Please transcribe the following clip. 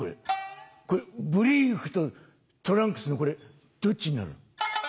これブリーフとトランクスのこれどっちなの？」。